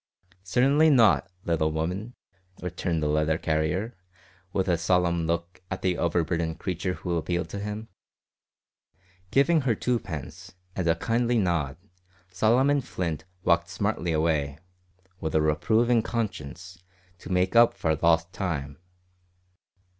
"Cer'nly not, little woman," returned the letter carrier, with a solemn look at the overburdened creature who appealed to him. Giving her twopence, and a kindly nod, Solomon Flint walked smartly away with a reproving conscience to make up for lost time.